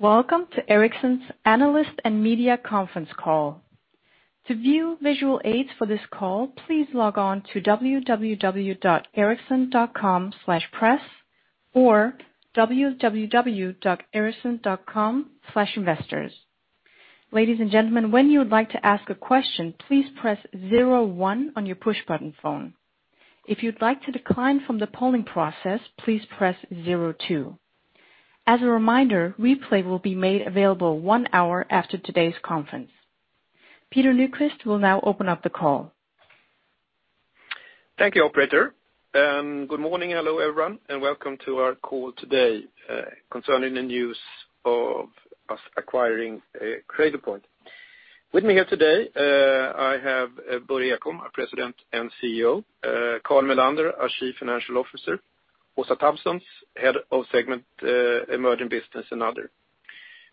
Welcome to Ericsson's Analyst and Media Conference call. To view visual aids for this call, please log on to www.ericsson.com/press or www.ericsson.com/investors. Ladies and gentlemen, when you would like to ask a question, please press zero one on your push-button phone. If you'd like to decline from the polling process, please press zero two. As a reminder, replay will be made available one hour after today's conference. Peter Nyquist will now open up the call. Thank you, operator. Good morning. Hello, everyone, and welcome to our call today concerning the news of us acquiring Cradlepoint. With me here today, I have Börje Ekholm, our President and CEO, Carl Mellander, our Chief Financial Officer, Åsa Tamsons, Head of Segment, Emerging Business and Other.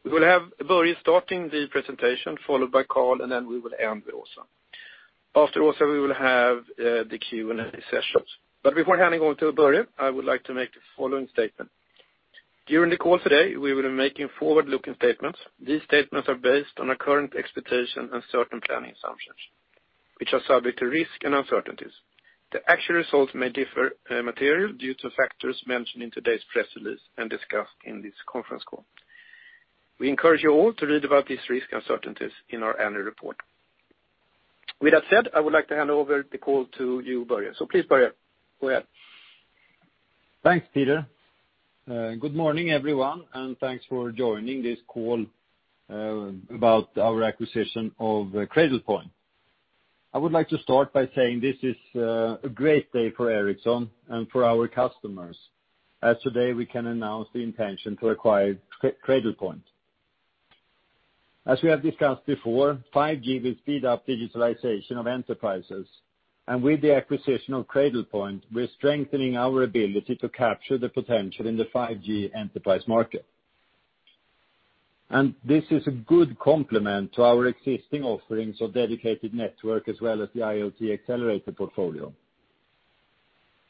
We will have Börje starting the presentation, followed by Carl, and then we will end with Åsa. After Åsa, we will have the Q&A sessions. Before handing over to Börje, I would like to make the following statement. During the call today, we will be making forward-looking statements. These statements are based on our current expectations and certain planning assumptions, which are subject to risk and uncertainties. The actual results may differ material due to factors mentioned in today's press release and discussed in this conference call. We encourage you all to read about these risks and uncertainties in our annual report. With that said, I would like to hand over the call to you, Börje. Please, Börje, go ahead. Thanks, Peter. Good morning, everyone, and thanks for joining this call about our acquisition of Cradlepoint. I would like to start by saying this is a great day for Ericsson and for our customers, as today we can announce the intention to acquire Cradlepoint. As we have discussed before, 5G will speed up digitalization of enterprises. With the acquisition of Cradlepoint, we're strengthening our ability to capture the potential in the 5G enterprise market. This is a good complement to our existing offerings of dedicated network as well as the IoT Accelerator portfolio.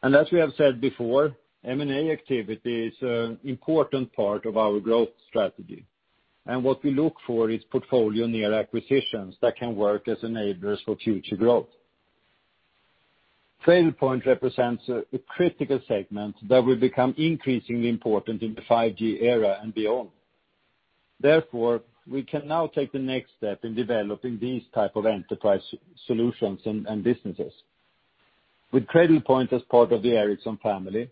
As we have said before, M&A activity is an important part of our growth strategy, and what we look for is portfolio-near acquisitions that can work as enablers for future growth. Cradlepoint represents a critical segment that will become increasingly important in the 5G era and beyond. Therefore, we can now take the next step in developing these type of enterprise solutions and businesses. With Cradlepoint as part of the Ericsson family,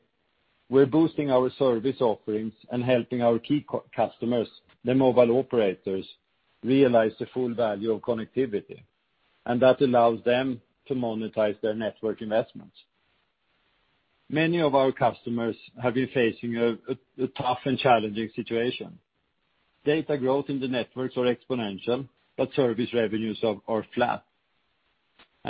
we're boosting our service offerings and helping our key customers, the mobile operators, realize the full value of connectivity, that allows them to monetize their network investments. Many of our customers have been facing a tough and challenging situation. Data growth in the networks are exponential, service revenues are flat.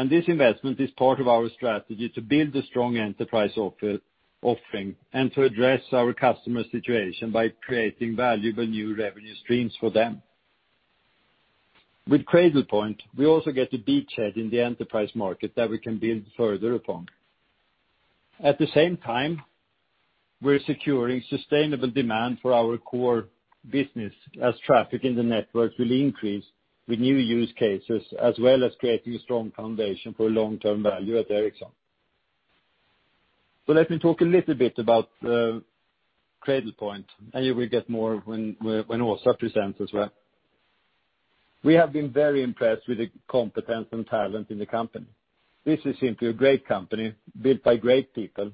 This investment is part of our strategy to build a strong enterprise offering and to address our customers' situation by creating valuable new revenue streams for them. With Cradlepoint, we also get a beachhead in the enterprise market that we can build further upon. At the same time, we're securing sustainable demand for our core business as traffic in the networks will increase with new use cases, as well as creating a strong foundation for long-term value at Ericsson. Let me talk a little bit about Cradlepoint, and you will get more when Åsa presents as well. We have been very impressed with the competence and talent in the company. This is simply a great company built by great people.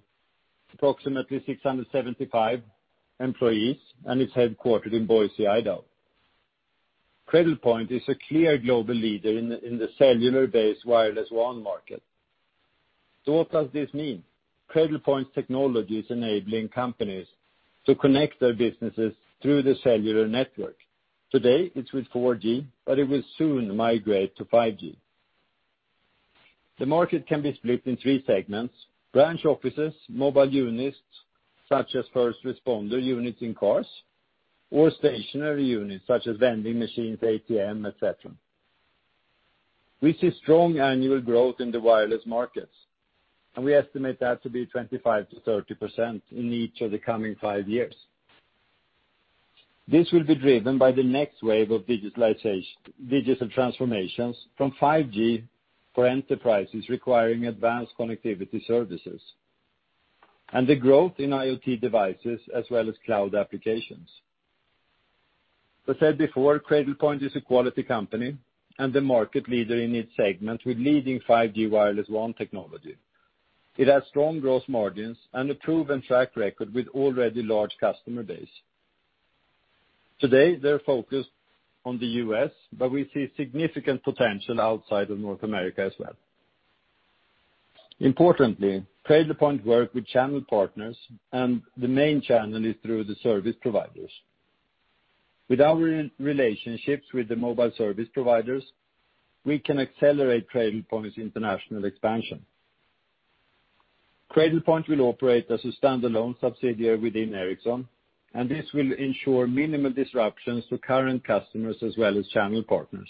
Approximately 675 employees, and it's headquartered in Boise, Idaho. Cradlepoint is a clear global leader in the cellular-based Wireless WAN market. What does this mean? Cradlepoint's technology is enabling companies to connect their businesses through the cellular network. Today, it's with 4G, but it will soon migrate to 5G. The market can be split in three segments: branch offices, mobile units, such as first responder units in cars, or stationary units such as vending machines, ATM, et cetera. We see strong annual growth in the wireless markets, and we estimate that to be 25%-30% in each of the coming five years. This will be driven by the next wave of digital transformations from 5G for enterprises requiring advanced connectivity services, and the growth in IoT devices as well as cloud applications. I said before, Cradlepoint is a quality company and the market leader in its segment with leading 5G Wireless WAN technology. It has strong gross margins and a proven track record with already large customer base. Today, they're focused on the U.S., but we see significant potential outside of North America as well. Importantly, Cradlepoint work with channel partners, and the main channel is through the service providers. With our relationships with the mobile service providers, we can accelerate Cradlepoint's international expansion. Cradlepoint will operate as a standalone subsidiary within Ericsson, and this will ensure minimal disruptions to current customers as well as channel partners.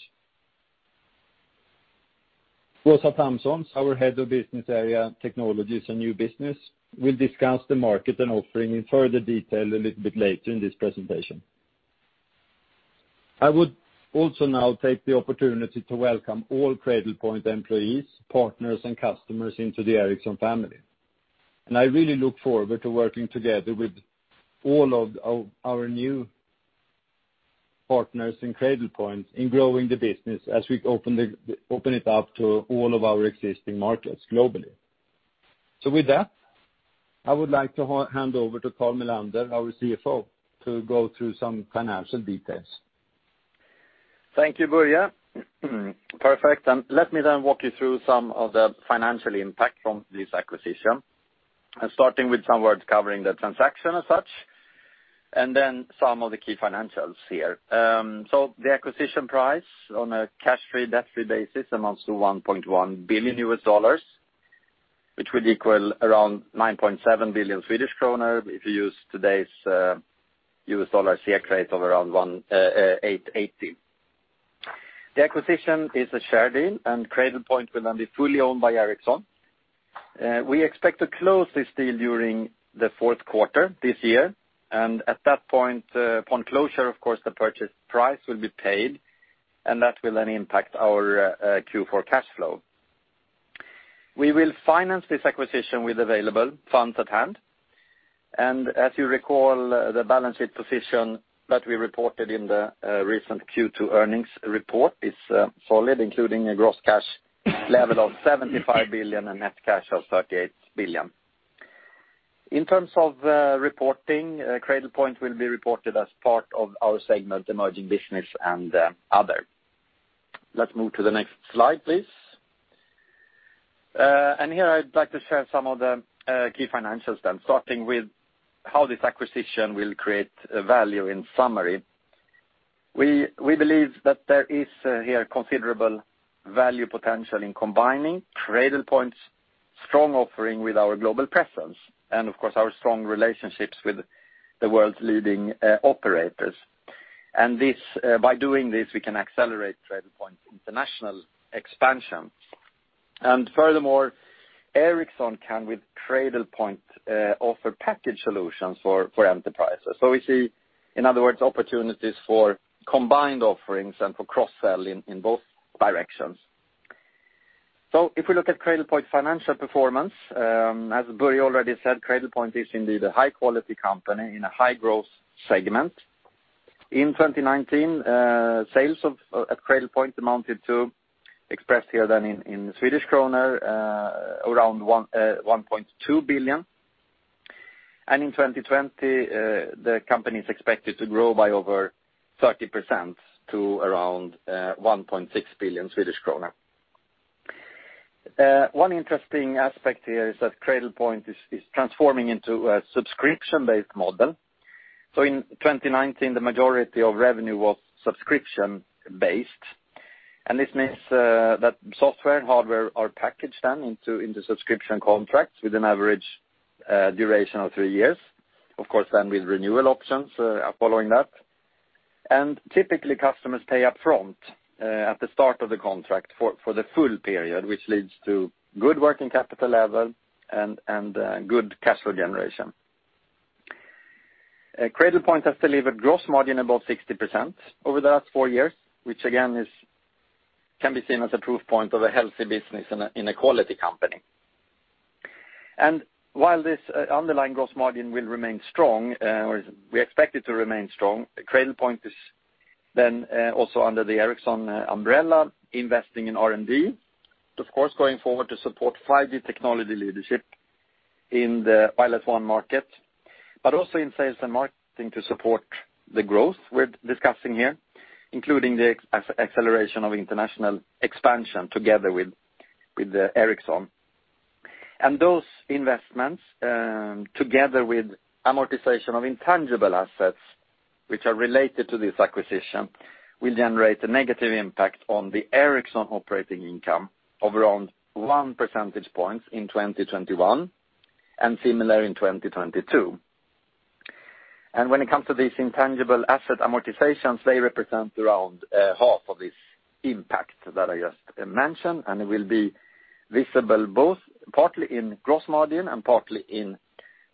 Åsa Tamsons, our Head of Business Area Technologies and New Business, will discuss the market and offering in further detail a little bit later in this presentation. I would also now take the opportunity to welcome all Cradlepoint employees, partners, and customers into the Ericsson family. I really look forward to working together with all of our new partners in Cradlepoint in growing the business as we open it up to all of our existing markets globally. With that, I would like to hand over to Carl Mellander, our CFO, to go through some financial details. Thank you, Börje. Perfect. Let me then walk you through some of the financial impact from this acquisition, starting with some words covering the transaction as such, and then some of the key financials here. The acquisition price on a cash-free, debt-free basis amounts to $1.1 billion, which will equal around 9.7 billion Swedish kronor if you use today's USD SEK rate of around 8.80. The acquisition is a share deal, and Cradlepoint will then be fully owned by Ericsson. We expect to close this deal during the fourth quarter this year, and at that point, upon closure, of course, the purchase price will be paid, and that will then impact our Q4 cash flow. We will finance this acquisition with available funds at hand. As you recall, the balance sheet position that we reported in the recent Q2 earnings report is solid, including a gross cash level of 75 billion and net cash of 38 billion. In terms of reporting, Cradlepoint will be reported as part of our segment, Emerging Business and Other. Let's move to the next slide, please. Here I'd like to share some of the key financials then, starting with how this acquisition will create value in summary. We believe that there is here considerable value potential in combining Cradlepoint's strong offering with our global presence and, of course, our strong relationships with the world's leading operators. By doing this, we can accelerate Cradlepoint's international expansion. Furthermore, Ericsson can, with Cradlepoint, offer package solutions for enterprises. We see, in other words, opportunities for combined offerings and for cross-sell in both directions. If we look at Cradlepoint's financial performance, as Börje already said, Cradlepoint is indeed a high-quality company in a high-growth segment. In 2019, sales at Cradlepoint amounted to, expressed here then in SEK, around 1.2 billion Swedish kronor. In 2020, the company's expected to grow by over 30% to around 1.6 billion Swedish krona. One interesting aspect here is that Cradlepoint is transforming into a subscription-based model. In 2019, the majority of revenue was subscription-based, and this means that software and hardware are packaged then into subscription contracts with an average duration of three years, of course then with renewal options following that. Typically, customers pay upfront at the start of the contract for the full period, which leads to good working capital level and good cash flow generation. Cradlepoint has delivered gross margin above 60% over the last four years, which again can be seen as a proof point of a healthy business in a quality company. While this underlying gross margin will remain strong, or we expect it to remain strong, Cradlepoint is also under the Ericsson umbrella, investing in R&D, of course, going forward to support 5G technology leadership in the Wireless WAN market, but also in sales and marketing to support the growth we're discussing here, including the acceleration of international expansion together with Ericsson. Those investments, together with amortization of intangible assets which are related to this acquisition, will generate a negative impact on the Ericsson operating income of around 1 percentage point in 2021, and similar in 2022. When it comes to these intangible asset amortizations, they represent around half of this impact that I just mentioned, and it will be visible both partly in gross margin and partly in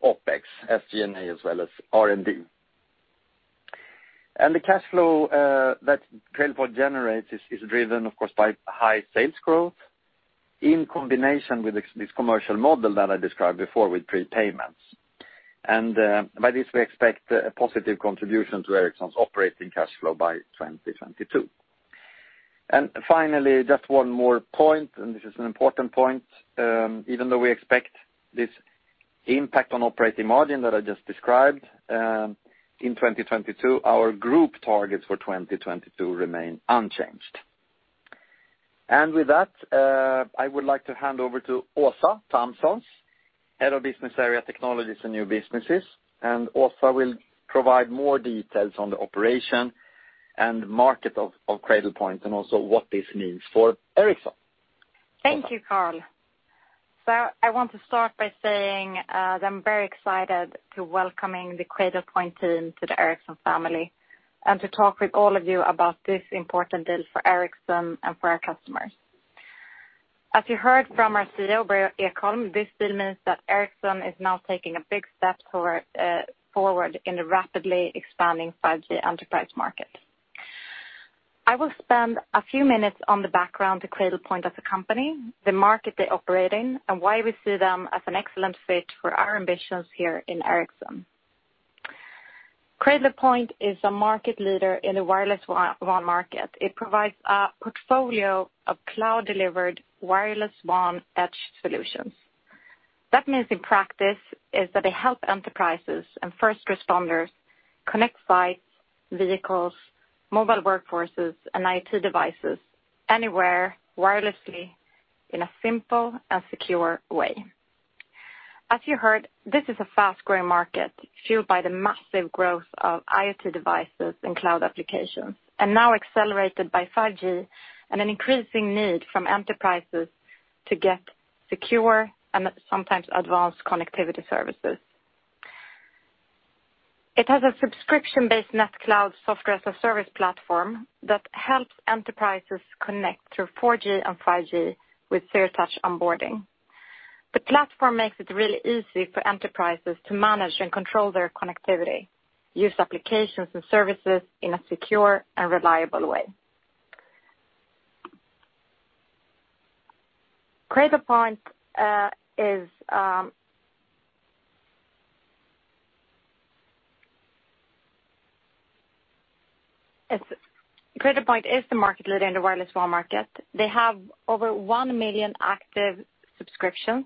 OpEx, SG&A, as well as R&D. The cash flow that Cradlepoint generates is driven, of course, by high sales growth in combination with this commercial model that I described before with prepayments. By this, we expect a positive contribution to Ericsson's operating cash flow by 2022. Finally, just one more point, and this is an important point. Even though we expect this impact on operating margin that I just described in 2022, our group targets for 2022 remain unchanged. With that, I would like to hand over to Åsa Tamsons, Head of Business Area Technologies and New Businesses. Åsa will provide more details on the operation and market of Cradlepoint and also what this means for Ericsson. Åsa? Thank you, Carl. I want to start by saying that I'm very excited to welcoming the Cradlepoint team to the Ericsson family, and to talk with all of you about this important deal for Ericsson and for our customers. As you heard from our CEO, Börje Ekholm, this deal means that Ericsson is now taking a big step forward in the rapidly expanding 5G enterprise market. I will spend a few minutes on the background to Cradlepoint as a company, the market they operate in, and why we see them as an excellent fit for our ambitions here in Ericsson. Cradlepoint is a market leader in the Wireless WAN market. It provides a portfolio of cloud-delivered Wireless WAN edge solutions. That means in practice is that they help enterprises and first responders connect sites, vehicles, mobile workforces, and IT devices anywhere wirelessly in a simple and secure way. As you heard, this is a fast-growing market fueled by the massive growth of IoT devices and cloud applications, and now accelerated by 5G and an increasing need from enterprises to get secure and sometimes advanced connectivity services. It has a subscription-based NetCloud software-as-a-service platform that helps enterprises connect through 4G and 5G with zero-touch onboarding. The platform makes it really easy for enterprises to manage and control their connectivity, use applications and services in a secure and reliable way. Cradlepoint is the market leader in the Wireless WAN market. They have over 1 million active subscriptions,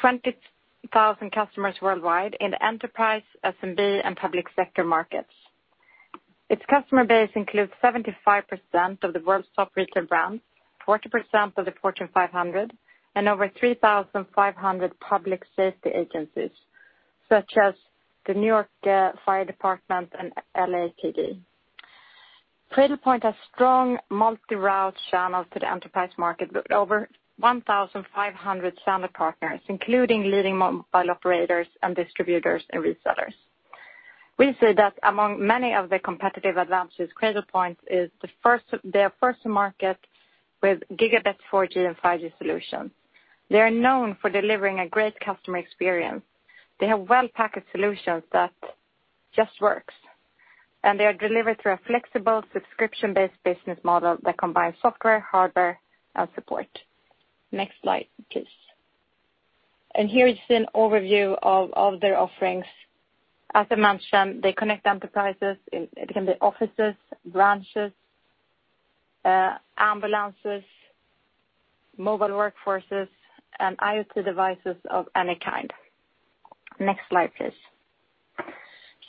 20,000 customers worldwide in the enterprise, SMB, and public sector markets. Its customer base includes 75% of the world's top retail brands, 40% of the Fortune 500, and over 3,500 public safety agencies, such as the New York Fire Department and LAPD. Cradlepoint has strong multi-route channels to the enterprise market, with over 1,500 channel partners, including leading mobile operators and distributors and resellers. We see that among many of the competitive advantages, Cradlepoint is their first to market with gigabit 4G and 5G solutions. They are known for delivering a great customer experience. They have well-packaged solutions that just works, and they are delivered through a flexible subscription-based business model that combines software, hardware, and support. Next slide, please. Here is an overview of their offerings. As I mentioned, they connect enterprises. It can be offices, branches, ambulances, mobile workforces, and IoT devices of any kind. Next slide, please.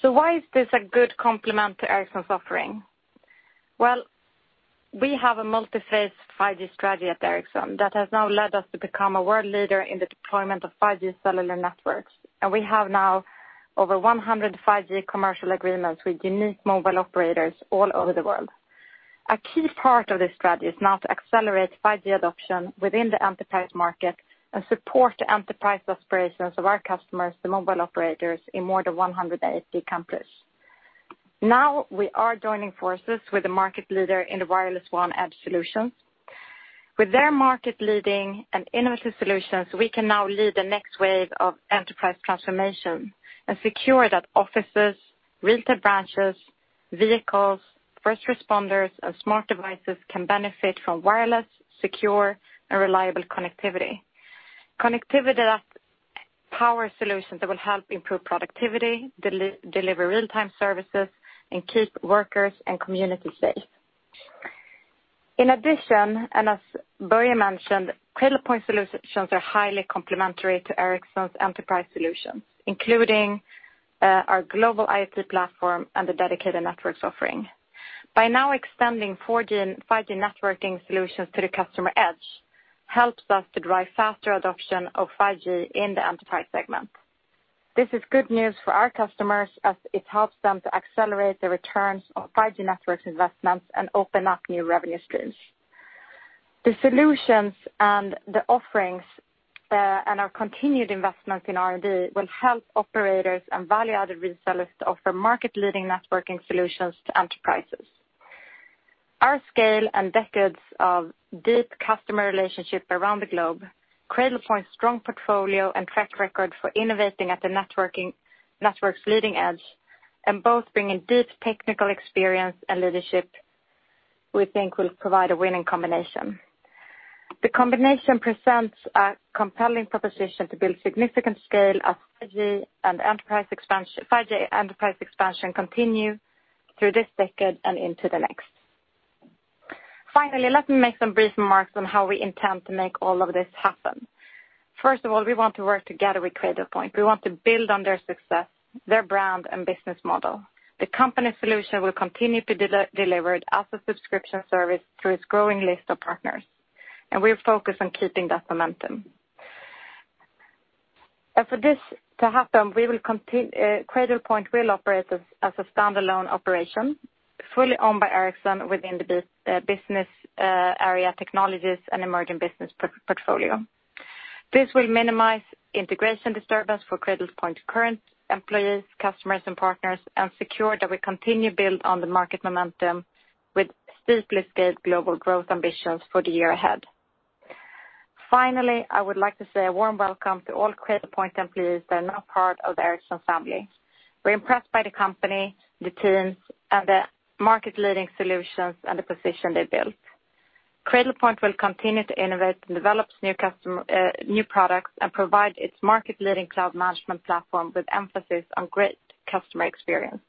Why is this a good complement to Ericsson's offering? Well, we have a multi-phase 5G strategy at Ericsson that has now led us to become a world leader in the deployment of 5G cellular networks. We have now over 100 5G commercial agreements with unique mobile operators all over the world. A key part of this strategy is now to accelerate 5G adoption within the enterprise market and support the enterprise aspirations of our customers, the mobile operators, in more than 180 countries. Now we are joining forces with the market leader in the Wireless WAN edge solutions. With their market-leading and innovative solutions, we can now lead the next wave of enterprise transformation and secure that offices, retail branches, vehicles, first responders, and smart devices can benefit from wireless, secure, and reliable connectivity. Connectivity that has power solutions that will help improve productivity, deliver real-time services, and keep workers and communities safe. In addition, and as Börje mentioned, Cradlepoint solutions are highly complementary to Ericsson's enterprise solutions, including our global IoT platform and the dedicated networks offering. By now extending 4G and 5G networking solutions to the customer edge helps us to drive faster adoption of 5G in the enterprise segment. This is good news for our customers as it helps them to accelerate the returns on 5G network investments and open up new revenue streams. The solutions and the offerings, and our continued investment in R&D, will help operators and value-added resellers to offer market-leading networking solutions to enterprises. Our scale and decades of deep customer relationships around the globe, Cradlepoint's strong portfolio and track record for innovating at the network's leading edge, and both bringing deep technical experience and leadership we think will provide a winning combination. The combination presents a compelling proposition to build significant scale as 5G and enterprise expansion continue through this decade and into the next. Finally, let me make some brief remarks on how we intend to make all of this happen. First of all, we want to work together with Cradlepoint. We want to build on their success, their brand, and business model. The company solution will continue to be delivered as a subscription service through its growing list of partners, and we're focused on keeping that momentum. For this to happen, Cradlepoint will operate as a standalone operation, fully owned by Ericsson within the Business Area Technologies and Emerging Business portfolio. This will minimize integration disturbance for Cradlepoint's current employees, customers, and partners, and secure that we continue build on the market momentum with steeply scaled global growth ambitions for the year ahead. Finally, I would like to say a warm welcome to all Cradlepoint employees that are now part of the Ericsson family. We're impressed by the company, the teams, and the market-leading solutions and the position they built. Cradlepoint will continue to innovate and develop new products and provide its market-leading cloud management platform with emphasis on great customer experience.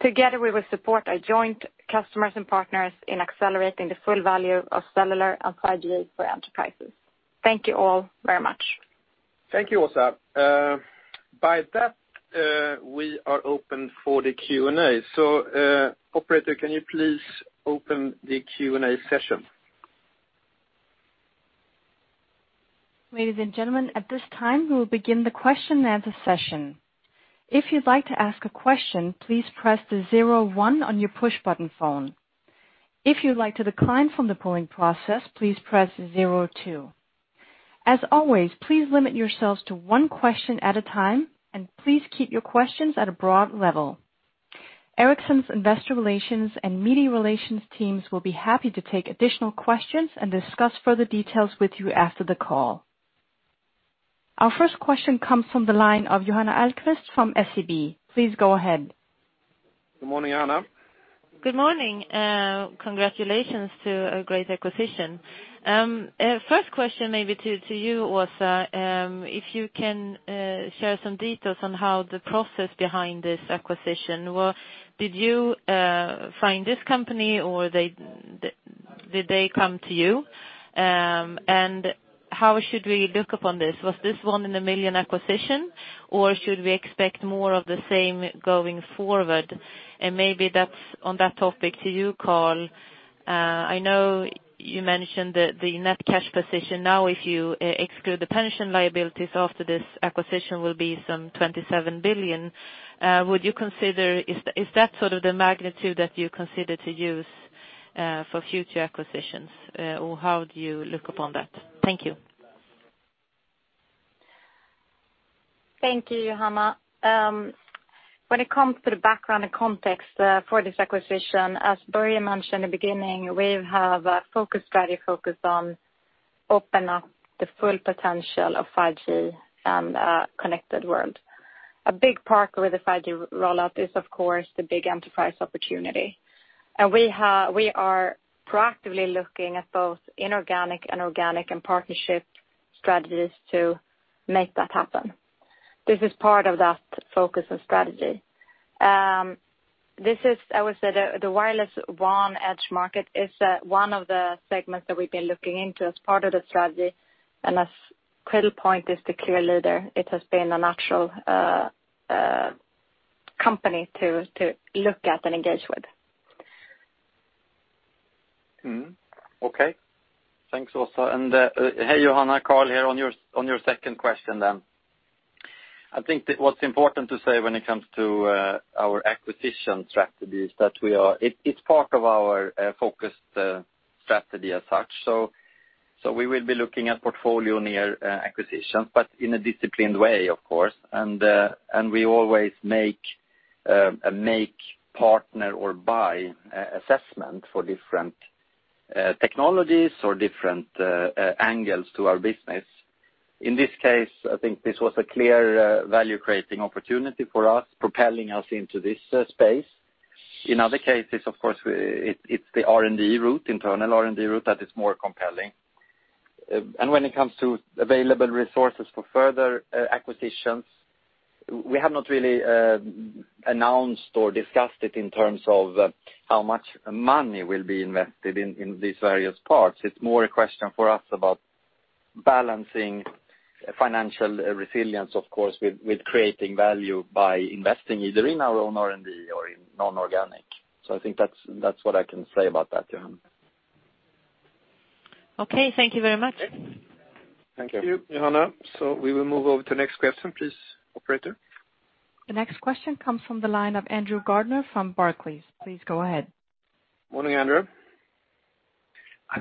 Together, we will support our joint customers and partners in accelerating the full value of cellular and 5G for enterprises. Thank you all very much. Thank you, Åsa. By that, we are open for the Q&A. Operator, can you please open the Q&A session? Ladies and gentlemen, at this time, we will begin the question-and-answer session. If you'd like to ask a question, please press the zero one on your push button phone. If you'd like to decline from the polling process, please press zero two. As always, please limit yourselves to one question at a time, and please keep your questions at a broad level. Ericsson's investor relations and media relations teams will be happy to take additional questions and discuss further details with you after the call. Our first question comes from the line of Johanna Ahlqvist from SEB. Please go ahead. Good morning, Johanna. Good morning. Congratulations to a great acquisition. First question maybe to you, Åsa. If you can share some details on how the process behind this acquisition? Did you find this company or did they come to you? How should we look upon this? Was this one in a million acquisition, or should we expect more of the same going forward? Maybe on that topic to you, Carl. I know you mentioned the net cash position. Now, if you exclude the pension liabilities after this acquisition will be some 27 billion. Is that sort of the magnitude that you consider to use for future acquisitions? Or how do you look upon that? Thank you. Thank you, Johanna. When it comes to the background and context for this acquisition, as Börje mentioned in the beginning, we have a focused strategy focused on open up the full potential of 5G and a connected world. A big part with the 5G rollout is, of course, the big enterprise opportunity. We are proactively looking at both inorganic and organic and partnership strategies to make that happen. This is part of that focus and strategy. I would say, the Wireless WAN edge market is one of the segments that we've been looking into as part of the strategy. As Cradlepoint is the clear leader, it has been a natural company to look at and engage with. Okay. Thanks, Åsa. Hey, Johanna, Carl here on your second question then. I think what's important to say when it comes to our acquisition strategy is that it's part of our focused strategy as such. We will be looking at portfolio near acquisitions, but in a disciplined way, of course. We always make a make, partner, or buy assessment for different technologies or different angles to our business. In this case, I think this was a clear value-creating opportunity for us, propelling us into this space. In other cases, of course, it's the R&D route, internal R&D route, that is more compelling. When it comes to available resources for further acquisitions, we have not really announced or discussed it in terms of how much money will be invested in these various parts. It's more a question for us about balancing financial resilience, of course, with creating value by investing either in our own R&D or in non-organic. I think that's what I can say about that, Johanna. Okay. Thank you very much. Thank you. Thank you, Johanna. We will move over to the next question, please, operator. The next question comes from the line of Andrew Gardiner from Barclays. Please go ahead. Morning, Andrew.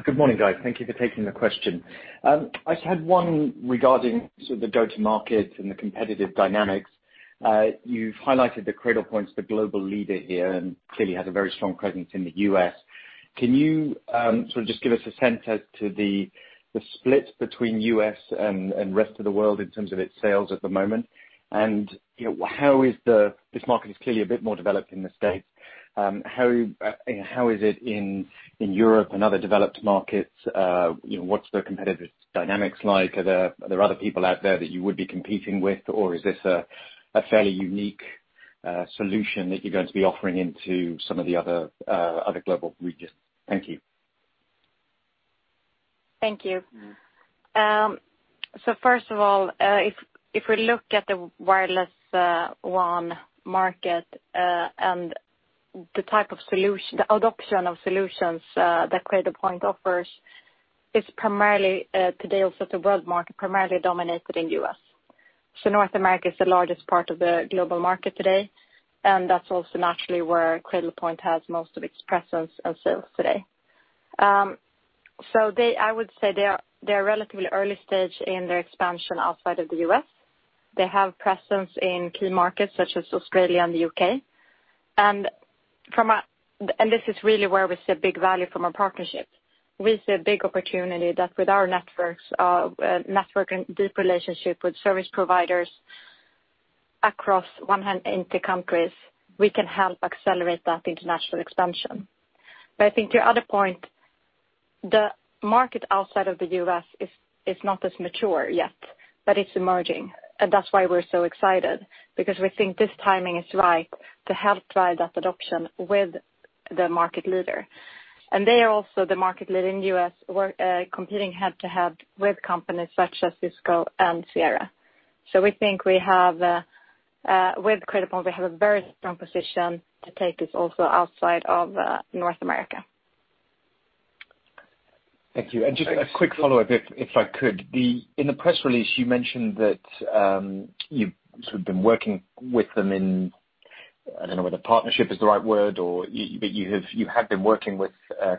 Good morning, guys. Thank you for taking the question. I just had one regarding sort of the go-to-market and the competitive dynamics. You've highlighted that Cradlepoint's the global leader here and clearly has a very strong presence in the U.S. Can you sort of just give us a sense as to the split between U.S. and rest of the world in terms of its sales at the moment? This market is clearly a bit more developed in the States. How is it in Europe and other developed markets? What's the competitive dynamics like? Are there other people out there that you would be competing with? Or is this a fairly unique solution that you're going to be offering into some of the other global regions? Thank you. Thank you. First of all, if we look at the Wireless WAN market. The adoption of solutions that Cradlepoint offers is primarily today also the world market, primarily dominated in the U.S. North America is the largest part of the global market today, and that's also naturally where Cradlepoint has most of its presence and sales today. I would say they are relatively early stage in their expansion outside of the U.S. They have presence in key markets such as Australia and the U.K. This is really where we see big value from a partnership. We see a big opportunity that with our network and deep relationship with service providers across 100 countries, we can help accelerate that international expansion. I think to your other point, the market outside of the U.S. is not as mature yet, but it's emerging. That's why we're so excited, because we think this timing is right to help drive that adoption with the market leader. They are also the market leader in the U.S., competing head-to-head with companies such as Cisco and Sierra. We think with Cradlepoint, we have a very strong position to take this also outside of North America. Thank you. Just a quick follow-up, if I could. In the press release, you mentioned that you've sort of been working with them in, I don't know whether partnership is the right word, but you have been working with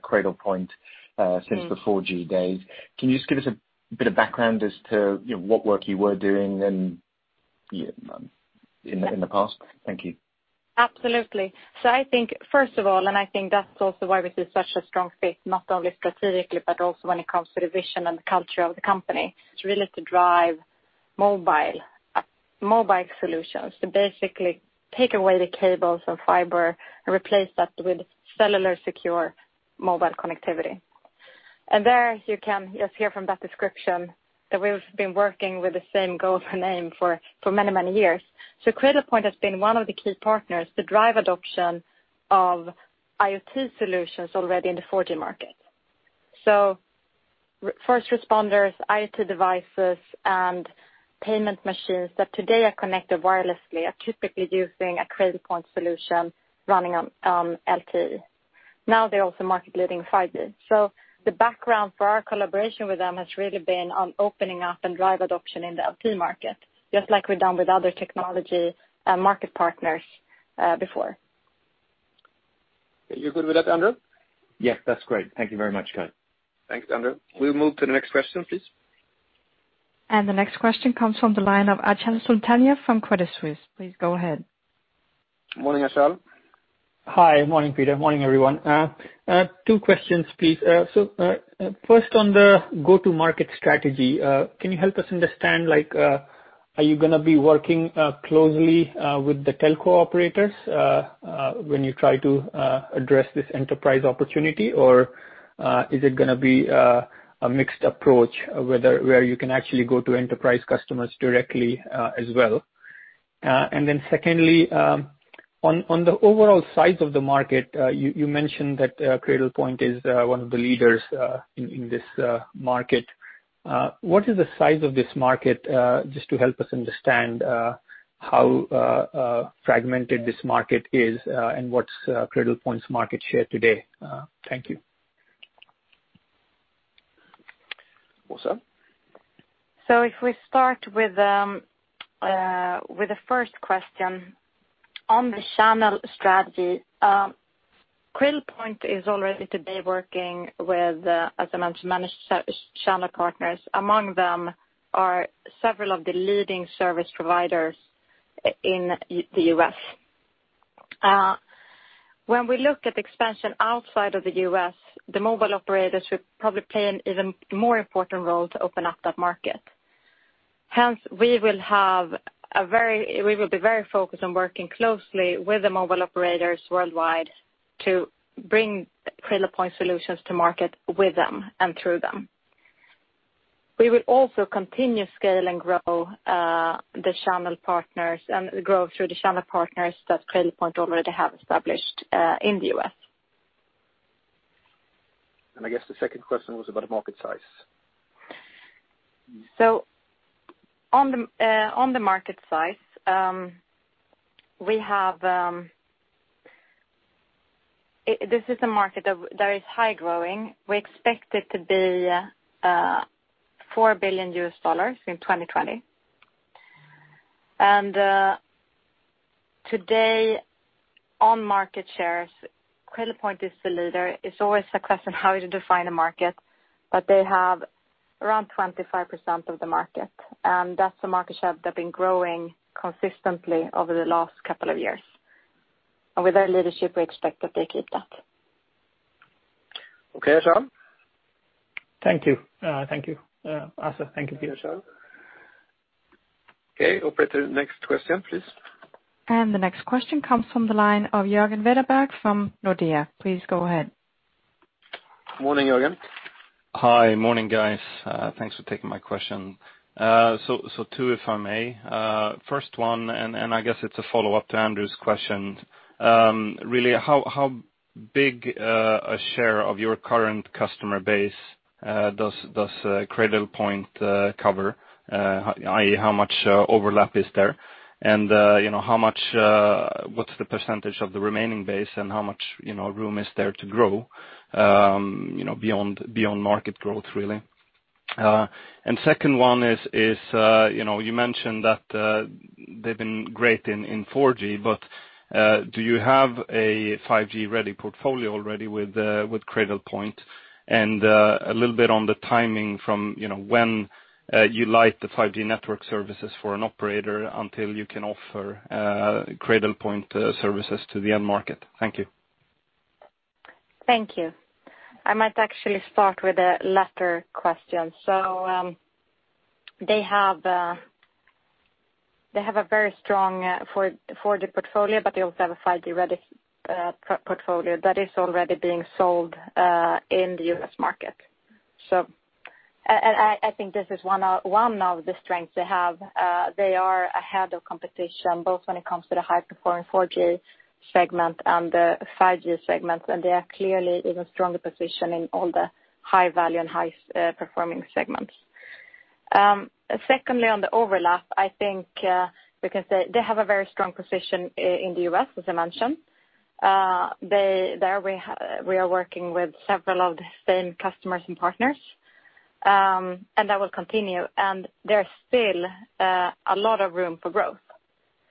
Cradlepoint since the 4G days. Can you just give us a bit of background as to what work you were doing in the past? Thank you. Absolutely. I think first of all, and I think that's also why we see such a strong fit, not only strategically, but also when it comes to the vision and the culture of the company. It's really to drive mobile solutions, to basically take away the cables and fiber and replace that with cellular secure mobile connectivity. There you can just hear from that description that we've been working with the same goal and aim for many, many years. Cradlepoint has been one of the key partners to drive adoption of IoT solutions already in the 4G market. First responders, IoT devices, and payment machines that today are connected wirelessly are typically using a Cradlepoint solution running on LTE. Now they're also market leading 5G. The background for our collaboration with them has really been on opening up and drive adoption in the LTE market, just like we've done with other technology and market partners before. You're good with that, Andrew? Yes, that's great. Thank you very much, guys. Thanks, Andrew. We'll move to the next question, please. The next question comes from the line of Achal Sultania from Credit Suisse. Please go ahead. Morning, Achal. Hi. Morning, Peter. Morning, everyone. Two questions, please. First on the go-to-market strategy, can you help us understand are you going to be working closely with the telco operators when you try to address this enterprise opportunity? Or is it going to be a mixed approach where you can actually go to enterprise customers directly as well? Secondly, on the overall size of the market, you mentioned that Cradlepoint is one of the leaders in this market. What is the size of this market? Just to help us understand how fragmented this market is and what's Cradlepoint's market share today. Thank you. Åsa? If we start with the first question on the channel strategy. Cradlepoint is already today working with, as I mentioned, managed channel partners. Among them are several of the leading service providers in the U.S. When we look at expansion outside of the U.S., the mobile operators will probably play an even more important role to open up that market. We will be very focused on working closely with the mobile operators worldwide to bring Cradlepoint solutions to market with them and through them. We will also continue scale and grow through the channel partners that Cradlepoint already have established in the U.S. I guess the second question was about market size. On the market size, this is a market that is high growing. We expect it to be $4 billion in 2020. Today on market shares, Cradlepoint is the leader. It's always a question how you define a market, but they have around 25% of the market. That's a market share they've been growing consistently over the last couple of years. With their leadership, we expect that they keep that. Okay, Achal. Thank you. Åsa, thank you, Peter. Okay, operator, next question, please. The next question comes from the line of Jörgen Wetterberg from Nordea. Please go ahead. Morning, Jörgen. Hi. Morning, guys. Thanks for taking my question. Two, if I may. First one, and I guess it's a follow-up to Andrew's question. Really, how big share of your current customer base does Cradlepoint cover? How much overlap is there? What's the percentage of the remaining base and how much room is there to grow beyond market growth, really? Second one is, you mentioned that they've been great in 4G, but do you have a 5G ready portfolio already with Cradlepoint? A little bit on the timing from when you light the 5G network services for an operator until you can offer Cradlepoint services to the end market. Thank you. Thank you. I might actually start with the latter question. They have a very strong 4G portfolio, but they also have a 5G ready portfolio that is already being sold in the U.S. market. I think this is one of the strengths they have. They are ahead of competition, both when it comes to the high performing 4G segment and the 5G segment, and they are clearly in a stronger position in all the high value and high performing segments. Secondly, on the overlap, I think we can say they have a very strong position in the U.S., as I mentioned. There we are working with several of the same customers and partners, and that will continue. There's still a lot of room for growth.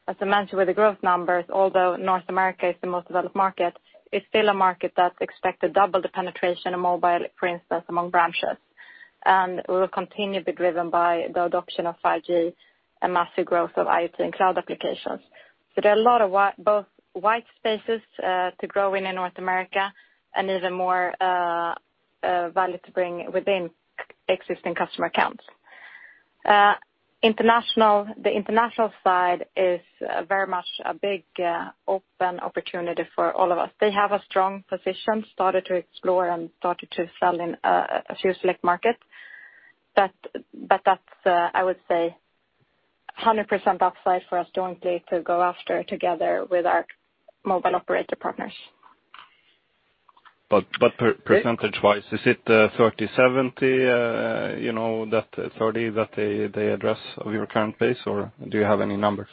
As I mentioned with the growth numbers, although North America is the most developed market, it's still a market that's expected double the penetration of mobile, for instance, among branches, and will continue to be driven by the adoption of 5G and massive growth of IoT and cloud applications. There are a lot of both white spaces to grow in in North America and even more value to bring within existing customer accounts. The international side is very much a big, open opportunity for all of us. They have a strong position, started to explore and started to sell in a few select markets. That's, I would say, 100% upside for us jointly to go after together with our mobile operator partners. Percentage wise, is it 30/70? Is that 30% that they address of your current base, or do you have any numbers?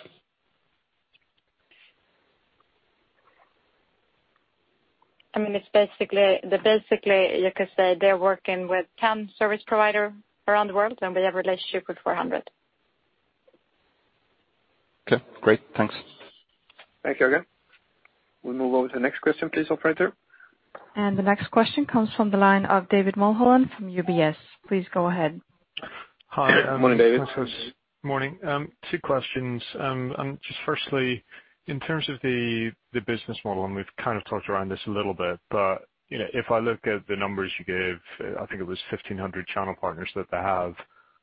Basically, you could say they're working with 10 service provider around the world, and we have a relationship with 400. Okay, great. Thanks. Thanks, Jörgen. We'll move over to the next question, please, operator. The next question comes from the line of David Mulholland from UBS. Please go ahead. Morning, David. Morning. Two questions. Just firstly, in terms of the business model, and we've kind of talked around this a little bit, but if I look at the numbers you gave, I think it was 1,500 channel partners that they have.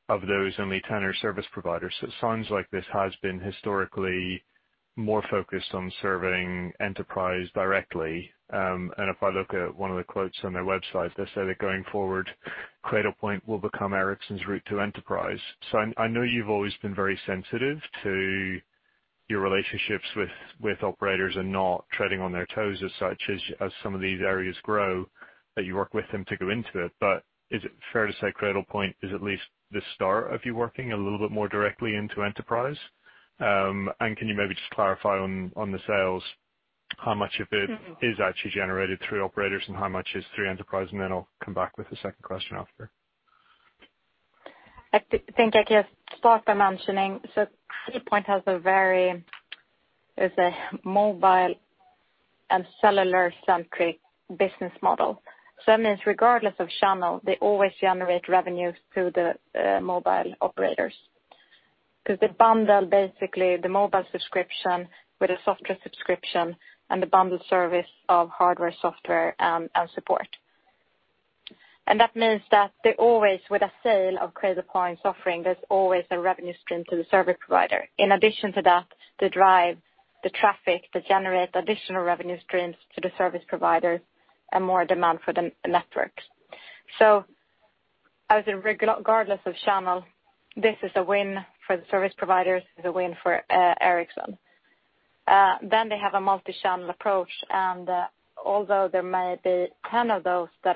Of those, only 10 are service providers. It sounds like this has been historically more focused on serving enterprise directly. If I look at one of the quotes on their website, they say that going forward, Cradlepoint will become Ericsson's route to enterprise. I know you've always been very sensitive to your relationships with operators and not treading on their toes as such, as some of these areas grow, that you work with them to go into it. Is it fair to say Cradlepoint is at least the start of you working a little bit more directly into enterprise? Can you maybe just clarify on the sales, how much of it is actually generated through operators and how much is through enterprise? Then I'll come back with a second question after. I think I can start by mentioning, Cradlepoint has a very mobile and cellular-centric business model. That means regardless of channel, they always generate revenues through the mobile operators. They bundle basically the mobile subscription with a software subscription and the bundled service of hardware, software, and support. That means that with a sale of Cradlepoint's offering, there's always a revenue stream to the service provider. In addition to that, they drive the traffic to generate additional revenue streams to the service provider and more demand for the networks. As in regardless of channel, this is a win for the service providers, it's a win for Ericsson. They have a multi-channel approach, and although there may be 10 of those of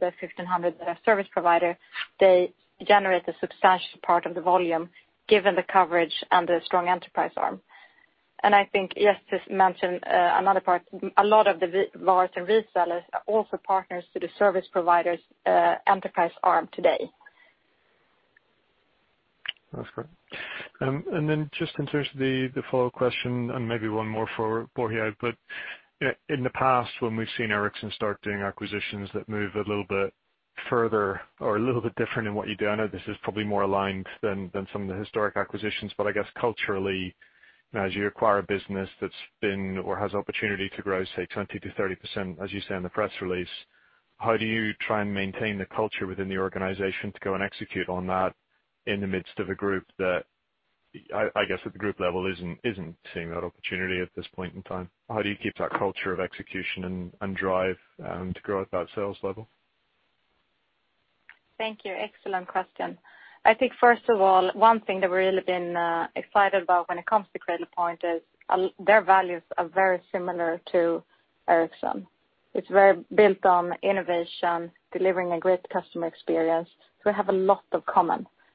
the 1,500 that are service provider, they generate a substantial part of the volume given the coverage and the strong enterprise arm. I think, yes, just mention another part, a lot of the large resellers are also partners to the service providers' enterprise arm today. That's great. Just in terms of the follow question, and maybe one more for Börje. In the past, when we've seen Ericsson start doing acquisitions that move a little bit further or a little bit different in what you do, I know this is probably more aligned than some of the historic acquisitions, but I guess culturally, as you acquire a business that's been or has opportunity to grow, say 20%-30%, as you say in the press release, how do you try and maintain the culture within the organization to go and execute on that in the midst of a group that, I guess at the group level, isn't seeing that opportunity at this point in time? How do you keep that culture of execution and drive to grow at that sales level? Thank you. Excellent question. I think first of all, one thing that we're really been excited about when it comes to Cradlepoint is their values are very similar to Ericsson. It's very built on innovation, delivering a great customer experience. We have a lot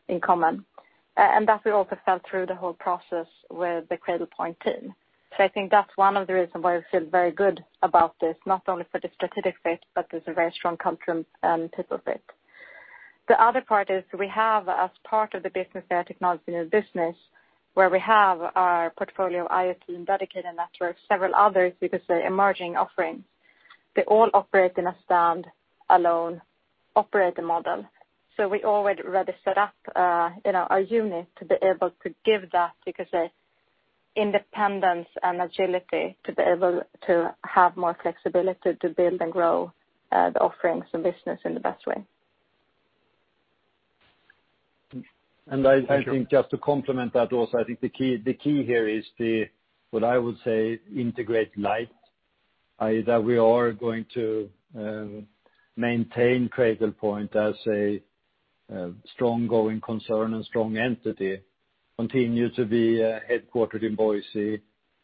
in common. That we also felt through the whole process with the Cradlepoint team. I think that's one of the reasons why we feel very good about this, not only for the strategic fit, but there's a very strong culture and people fit. The other part is we have, as part of the business, the technology new business, where we have our portfolio IoT and dedicated network, several others, we could say, emerging offerings. They all operate in a stand-alone operator model. We already set up our unit to be able to give that, we could say, independence and agility to be able to have more flexibility to build and grow the offerings and business in the best way. I think just to complement that also, I think the key here is the, what I would say, integrate light. Either we are going to maintain Cradlepoint as a strong going concern and strong entity, continue to be headquartered in Boise,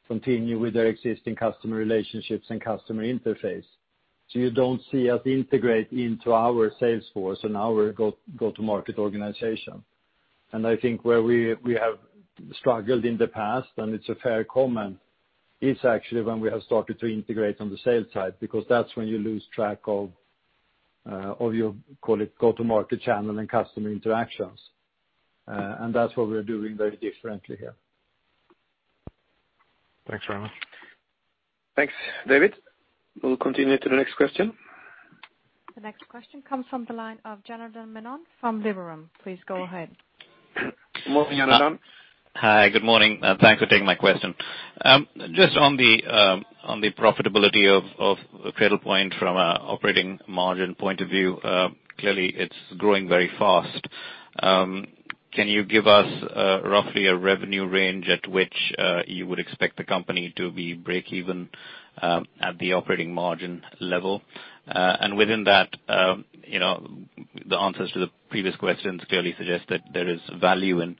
continue with their existing customer relationships and customer interface. You don't see us integrate into our sales force and our go-to-market organization. I think where we have struggled in the past, and it's a fair comment, it's actually when we have started to integrate on the sales side, because that's when you lose track of your, call it, go-to-market channel and customer interactions. That's what we're doing very differently here. Thanks very much. Thanks, David. We'll continue to the next question. The next question comes from the line of Janardan Menon from Liberum. Please go ahead. Morning, Janardan. Hi, good morning. Thanks for taking my question. Just on the profitability of Cradlepoint from an operating margin point of view. Clearly, it's growing very fast. Can you give us roughly a revenue range at which you would expect the company to be break even at the operating margin level? Within that, the answers to the previous questions clearly suggest that there is value in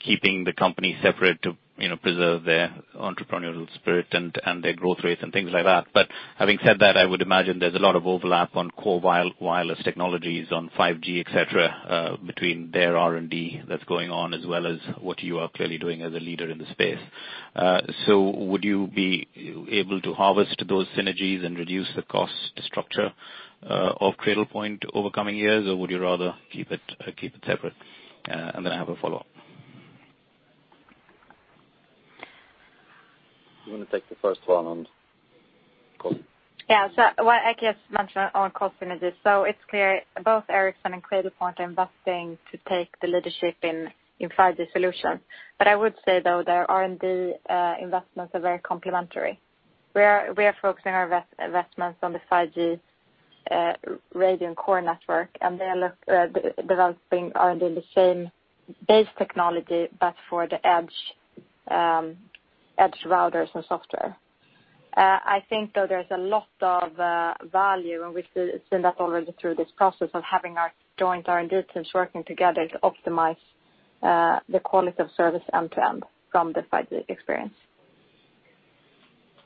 keeping the company separate to preserve their entrepreneurial spirit and their growth rates and things like that. Having said that, I would imagine there's a lot of overlap on core wireless technologies on 5G, et cetera, between their R&D that's going on as well as what you are clearly doing as a leader in the space. Would you be able to harvest those synergies and reduce the cost structure of Cradlepoint over coming years, or would you rather keep it separate? And then I have a follow-up. You want to take the first one on cost? I can just mention on cost synergies. It's clear both Ericsson and Cradlepoint are investing to take the leadership in 5G solutions. I would say, though, their R&D investments are very complementary. We are focusing our investments on the 5G radio and core network, and they are developing R&D in the same base technology, but for the edge routers and software. I think, though, there's a lot of value, and we've seen that already through this process of having our joint R&D teams working together to optimize the quality of service end-to-end from the 5G experience.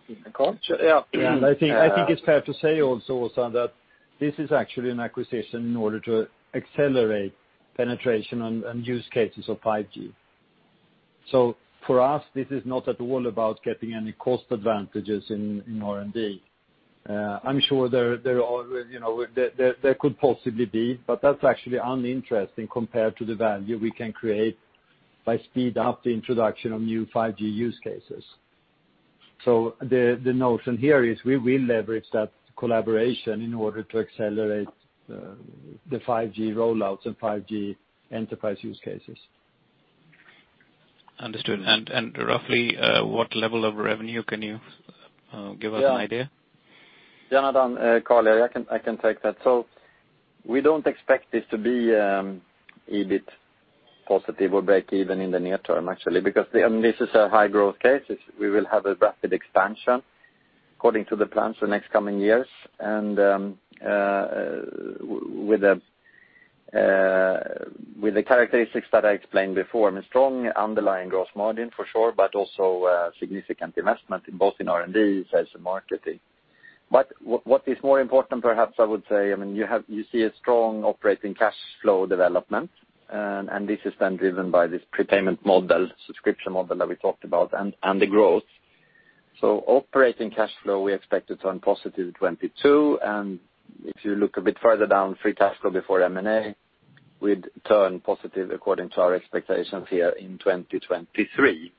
I think it's fair to say also, Janardan, that this is actually an acquisition in order to accelerate penetration and use cases of 5G. For us, this is not at all about getting any cost advantages in R&D. I'm sure there could possibly be, but that's actually uninteresting compared to the value we can create by speed up the introduction of new 5G use cases. The notion here is we will leverage that collaboration in order to accelerate the 5G rollouts and 5G enterprise use cases. Understood. Roughly what level of revenue can you give us an idea? Janardan, Carl here. I can take that. We don't expect this to be EBIT positive or break even in the near-term actually, because this is a high growth case. We will have a rapid expansion according to the plans for next coming years. With the characteristics that I explained before, I mean, strong underlying gross margin for sure, but also significant investment in both in R&D, sales, and marketing. What is more important, perhaps I would say, you see a strong operating cash flow development, and this is then driven by this prepayment model, subscription model that we talked about, and the growth. Operating cash flow, we expect to turn positive 2022, and if you look a bit further down, free cash flow before M&A, we'd turn positive according to our expectations here in 2023.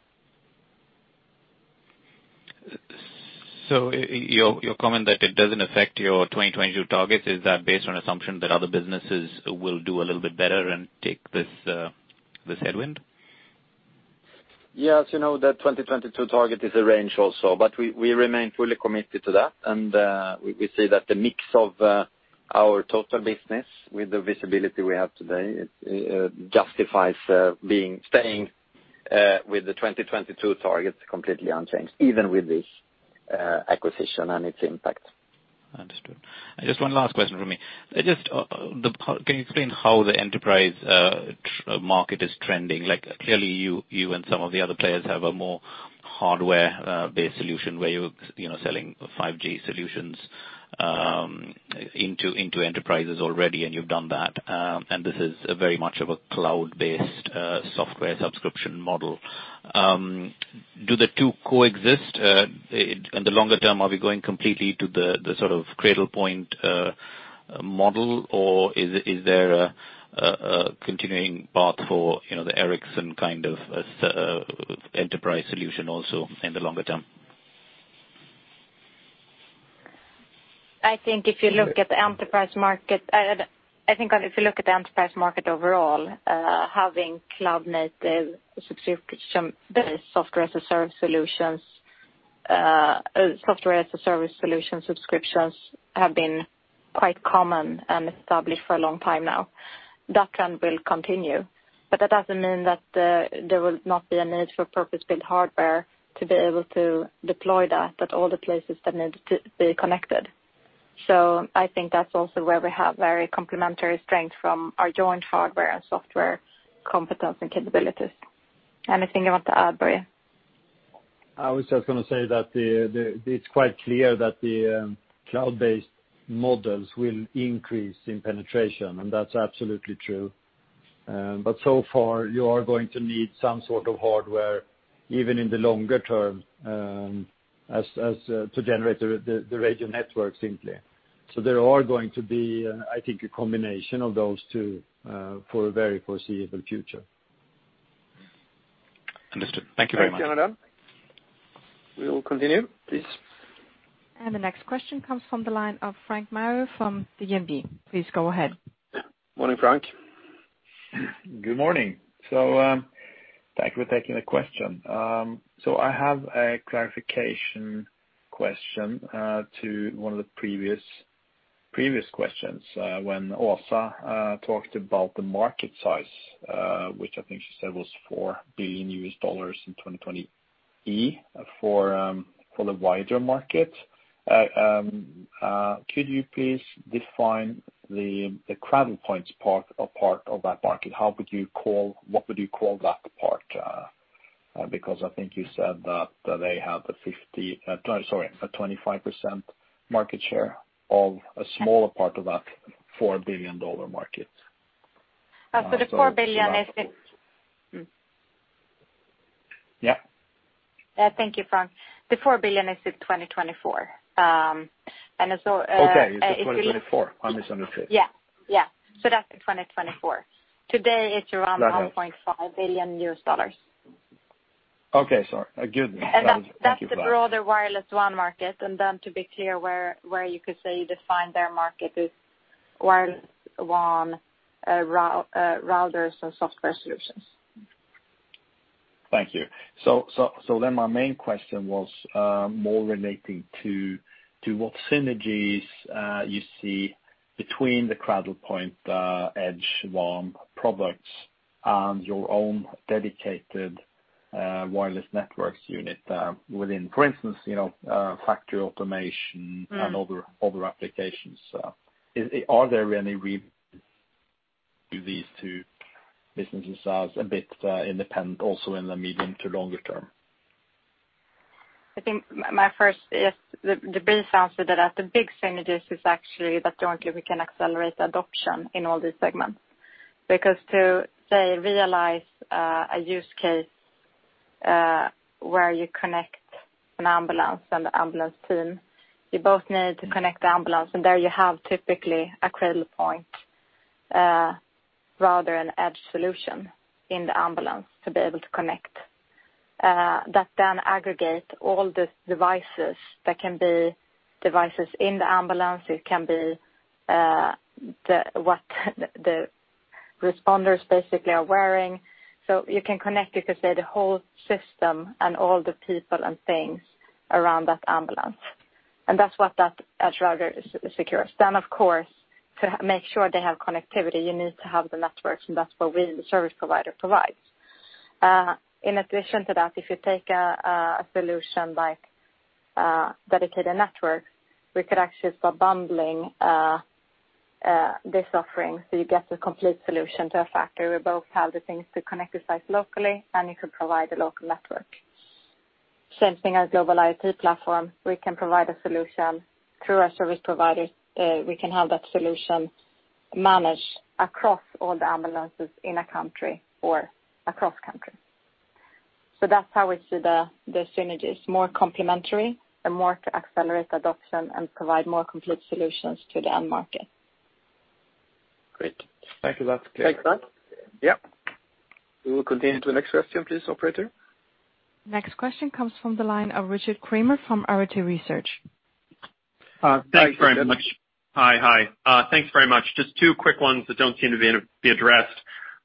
Your comment that it doesn't affect your 2022 targets, is that based on assumption that other businesses will do a little bit better and take this headwind? Yes. You know that 2022 target is a range also, but we remain fully committed to that. We see that the mix of our total business with the visibility we have today justifies staying with the 2022 targets completely unchanged, even with this acquisition and its impact. Understood. Just one last question from me. Can you explain how the enterprise market is trending? Clearly, you and some of the other players have a more hardware-based solution where you're selling 5G solutions into enterprises already, and you've done that. This is very much of a cloud-based software subscription model. Do the two coexist? In the longer term, are we going completely to the Cradlepoint model, or is there a continuing path for the Ericsson kind of enterprise solution also in the longer term? I think if you look at the enterprise market overall, having cloud-native subscription-based software as a service solution subscriptions have been quite common and established for a long time now. That trend will continue, that doesn't mean that there will not be a need for purpose-built hardware to be able to deploy that at all the places that need to be connected. I think that's also where we have very complementary strength from our joint hardware and software competence and capabilities. Anything you want to add, Börje? I was just going to say that it's quite clear that the cloud-based models will increase in penetration, and that's absolutely true. So far, you are going to need some sort of hardware, even in the longer term, to generate the radio network, simply. There are going to be, I think, a combination of those two for a very foreseeable future. Understood. Thank you very much. Thanks, Janardan. We will continue, please. The next question comes from the line of Frank Maaø from DNB. Please go ahead. Morning, Frank. Good morning. Thank you for taking the question. I have a clarification question to one of the previous questions, when Åsa talked about the market size, which I think she said was $4 billion in 2023 for the wider market. Could you please define the Cradlepoint's part of that market? What would you call that part? Because I think you said that they have a 25% market share of a smaller part of that $4 billion market. The $4 billion is- Yeah. Thank you, Frank. The $4 billion is in 2024. Okay. It's 2024. I misunderstood. Yeah. That's in 2024. Today, it's around $1.5 billion. Okay, sorry. Good. Thank you for that. That's the broader Wireless WAN market. To be clear where you could say you define their market is Wireless WAN routers and software solutions. Thank you. My main question was more relating to what synergies you see between the Cradlepoint edge WAN products and your own dedicated wireless networks unit within, for instance, factory automation and other applications. Are there any reasons these two businesses are a bit independent also in the medium to longer term? I think my first, the brief answer to that, the big synergies is actually that jointly we can accelerate the adoption in all these segments. To, say, realize a use case where you connect an ambulance and the ambulance team, you both need to connect the ambulance, and there you have typically a Cradlepoint, rather an edge solution in the ambulance to be able to connect. That then aggregate all the devices. That can be devices in the ambulance. It can be what the responders basically are wearing. You can connect, you could say, the whole system and all the people and things around that ambulance. That's what that edge router secures. Of course, to make sure they have connectivity, you need to have the networks, and that's what we, the service provider, provides. In addition to that, if you take a solution like a dedicated network, we could actually start bundling this offering so you get the complete solution to a factory. We both have the things to connect the site locally. You could provide a local network. Same thing as global IoT platform. We can provide a solution through our service provider. We can have that solution managed across all the ambulances in a country or across countries. That's how we see the synergies, more complementary, a market to accelerate adoption, and provide more complete solutions to the end market. Great. Thank you. That's clear. Thanks for that. Yeah. We will continue to the next question, please, operator. Next question comes from the line of Richard Kramer from Arete Research. Hi, Richard. Thanks very much. Hi. Thanks very much. Just two quick ones that don't seem to be addressed.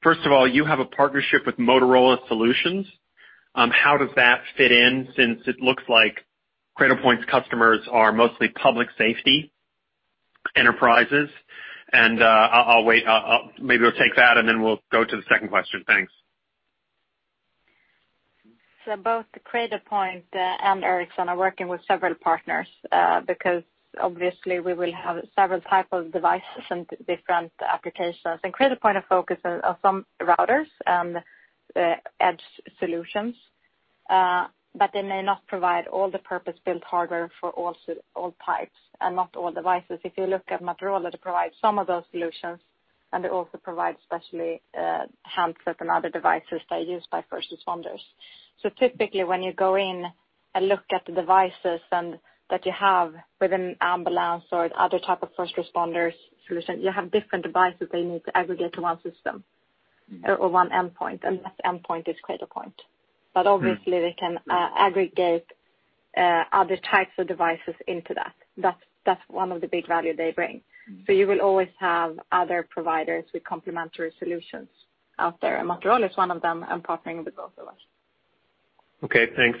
First of all, you have a partnership with Motorola Solutions. How does that fit in since it looks like Cradlepoint's customers are mostly public safety enterprises. Maybe we'll take that, and then we'll go to the second question. Thanks. Both Cradlepoint and Ericsson are working with several partners, because obviously we will have several type of devices and different applications. In Cradlepoint, our focus is on some routers, and edge solutions, but they may not provide all the purpose-built hardware for all types and not all devices. If you look at Motorola, they provide some of those solutions, and they also provide especially handsets and other devices that are used by first responders. Typically, when you go in and look at the devices that you have with an ambulance or other type of first responders solution, you have different devices they need to aggregate to one system or one endpoint, and that endpoint is Cradlepoint. Obviously they can aggregate other types of devices into that. That's one of the big value they bring. You will always have other providers with complimentary solutions out there, and Motorola is one of them and partnering with both of us. Okay, thanks.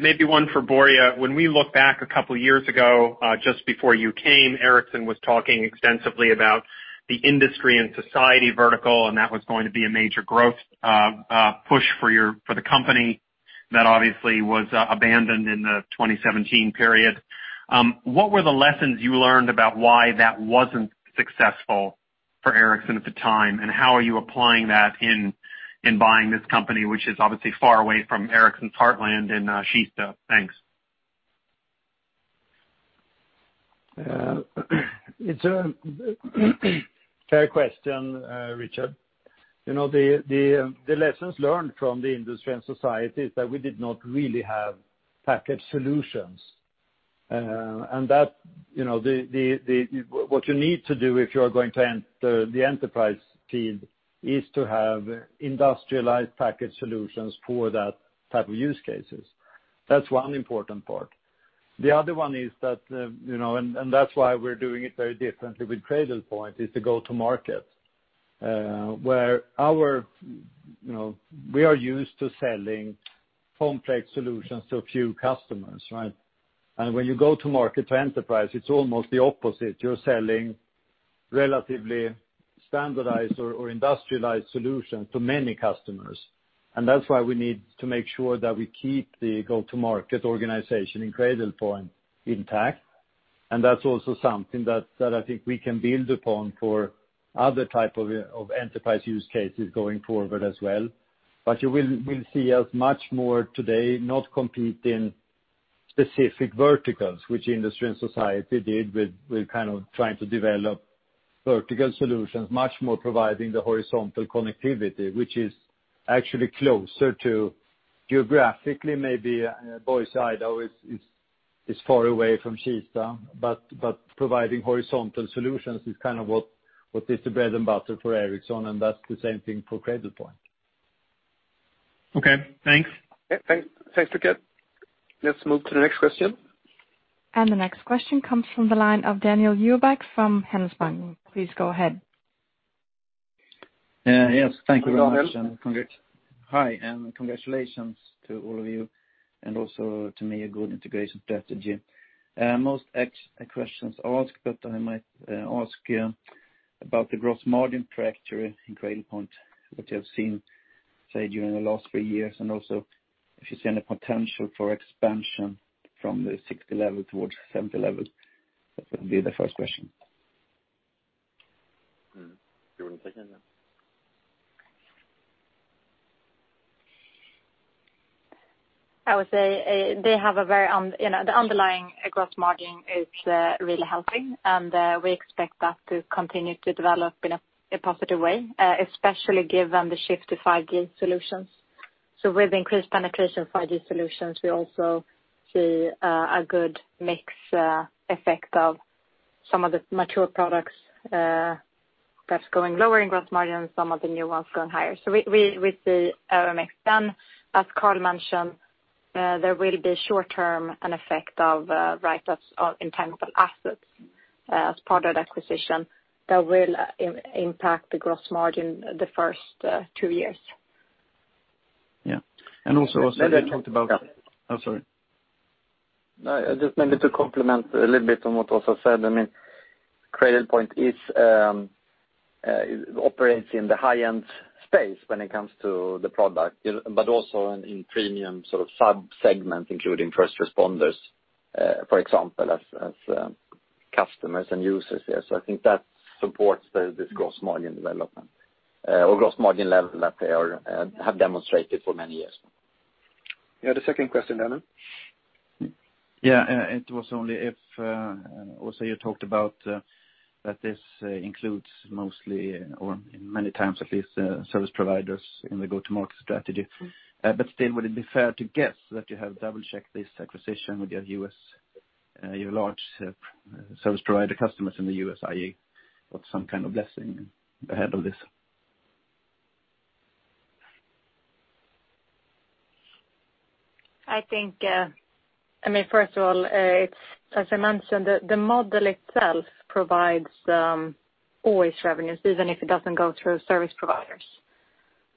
Maybe one for Börje. When we look back a couple of years ago, just before you came, Ericsson was talking extensively about the Industry and Society vertical, and that was going to be a major growth push for the company. That obviously was abandoned in the 2017 period. What were the lessons you learned about why that wasn't successful for Ericsson at the time, and how are you applying that in buying this company, which is obviously far away from Ericsson's heartland in Kista? Thanks. It's a fair question, Richard. The lessons learned from the Industry and Society is that we did not really have packaged solutions. What you need to do if you are going to enter the enterprise field is to have industrialized packaged solutions for that type of use cases. That's one important part. The other one is that, and that's why we're doing it very differently with Cradlepoint, is to go to market. We are used to selling complex solutions to a few customers, right? When you go to market to enterprise, it's almost the opposite. You're selling relatively standardized or industrialized solutions to many customers. That's why we need to make sure that we keep the go-to-market organization in Cradlepoint intact. That's also something that I think we can build upon for other type of enterprise use cases going forward as well. You will see us much more today not competing specific verticals, which Industry and Society did with trying to develop vertical solutions, much more providing the horizontal connectivity, which is actually closer to geographically, maybe Boise, Idaho is far away from Kista, but providing horizontal solutions is what is the bread and butter for Ericsson, and that's the same thing for Cradlepoint. Okay, thanks. Thanks, Richard. Let's move to the next question. The next question comes from the line of Daniel Djurberg from Handelsbanken. Please go ahead. Yes. Thank you very much. Hi, Daniel. Hi, congratulations to all of you, and also to me, a good integration strategy. Most questions are asked. I might ask about the gross margin trajectory in Cradlepoint that you have seen, say, during the last three years, and also if you see any potential for expansion from the 60 level towards 70 level. That would be the first question. Do you want to take that one? I would say the underlying gross margin is really helping, and we expect that to continue to develop in a positive way, especially given the shift to 5G solutions. With increased penetration of 5G solutions, we also see a good mix effect of some of the mature products that's going lower in gross margin, some of the new ones going higher. We see a mix. As Carl mentioned, there will be short-term an effect of write-offs of intangible assets as part of that acquisition that will impact the gross margin the first two years. Yeah. Also, Åsa, Oh, sorry. Just maybe to complement a little bit on what Åsa said. Cradlepoint operates in the high-end space when it comes to the product, but also in premium sub-segments, including first responders, for example, as customers and users there. I think that supports this gross margin development or gross margin level that they have demonstrated for many years now. You had a second question, Daniel? Yeah. It was only, Åsa, you talked about that this includes mostly, or many times at least, service providers in the go-to-market strategy. Still, would it be fair to guess that you have double-checked this acquisition with your large service provider customers in the U.S., i.e., got some kind of blessing ahead of this? First of all, as I mentioned, the model itself provides always revenues, even if it doesn't go through service providers.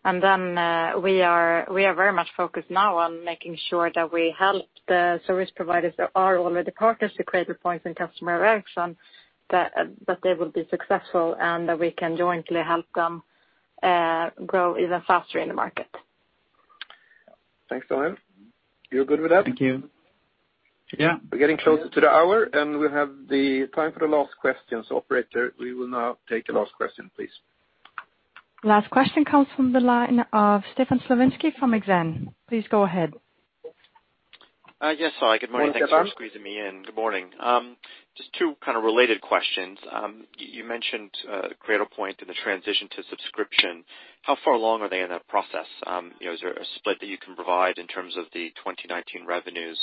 We are very much focused now on making sure that we help the service providers that are already partners with Cradlepoint and customer of Ericsson, that they will be successful and that we can jointly help them grow even faster in the market. Thanks, Daniel. You're good with that? Thank you. Yeah. We're getting closer to the hour, and we have the time for the last question. Operator, we will now take the last question, please. Last question comes from the line of Stefan Slowinski from Exane. Please go ahead. Yes. Hi, good morning. Hi, Stefan. Thanks for squeezing me in. Good morning. Just two kind of related questions. You mentioned Cradlepoint and the transition to subscription. How far along are they in that process? Is there a split that you can provide in terms of the 2019 revenues?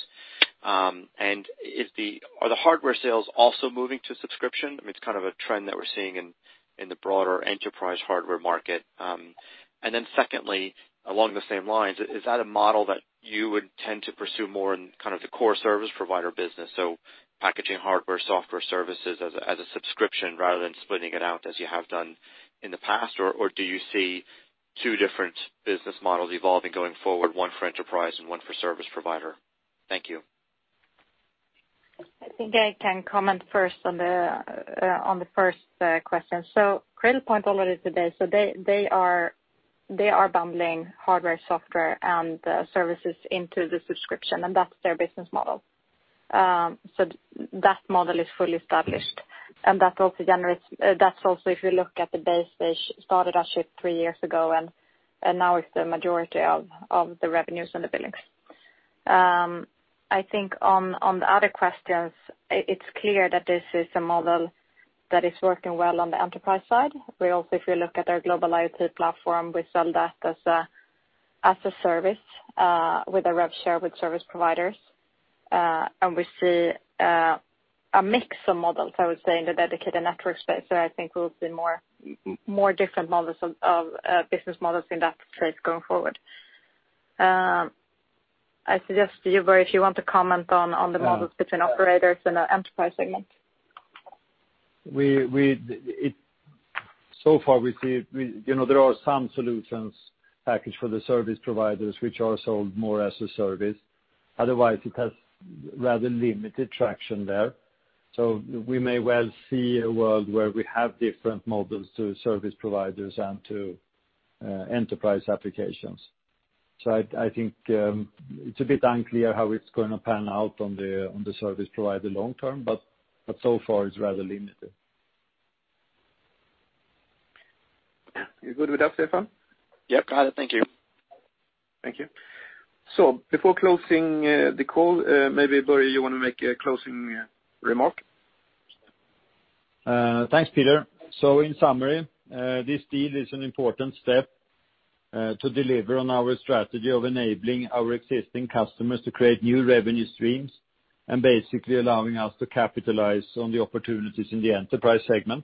Are the hardware sales also moving to subscription? I mean, it's kind of a trend that we're seeing in the broader enterprise hardware market. Secondly, along the same lines, is that a model that you would tend to pursue more in kind of the core service provider business? Packaging hardware, software services as a subscription rather than splitting it out as you have done in the past? Or do you see two different business models evolving going forward, one for enterprise and one for service provider? Thank you. I think I can comment first on the first question. Cradlepoint already today, they are bundling hardware, software, and services into the subscription, and that's their business model. That model is fully established. That's also if you look at the base, they started actually three years ago, and now it's the majority of the revenues and the billings. I think on the other questions, it's clear that this is a model that is working well on the enterprise side. Also, if you look at our global IoT platform, we sell that as a service, with a rev share with service providers. We see a mix of models, I would say, in the dedicated network space. I think we'll see more different business models in that space going forward. I suggest to you, Börje, if you want to comment on the models between operators and the enterprise segment. So far, there are some solutions packaged for the service providers, which are sold more as a service. Otherwise, it has rather limited traction there. We may well see a world where we have different models to service providers and to enterprise applications. I think it's a bit unclear how it's going to pan out on the service provider long-term, but so far it's rather limited. You're good with that, Stefan? Yep, got it. Thank you. Thank you. Before closing the call, maybe Börje, you want to make a closing remark? Thanks, Peter. In summary, this deal is an important step to deliver on our strategy of enabling our existing customers to create new revenue streams and basically allowing us to capitalize on the opportunities in the enterprise segment.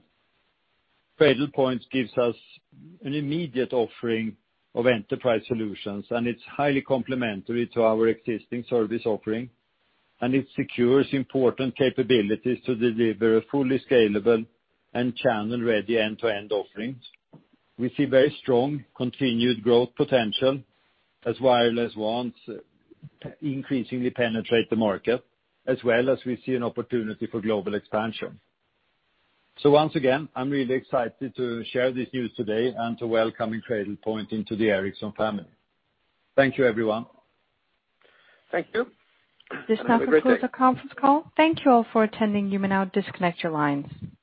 Cradlepoint gives us an immediate offering of enterprise solutions, and it's highly complementary to our existing service offering, and it secures important capabilities to deliver a fully scalable and channel-ready end-to-end offering. We see very strong continued growth potential as Wireless WANs increasingly penetrate the market, as well as we see an opportunity for global expansion. Once again, I'm really excited to share this news today and to welcome Cradlepoint into the Ericsson family. Thank you, everyone. Thank you. Have a great day. This now concludes the conference call. Thank you all for attending. You may now disconnect your lines.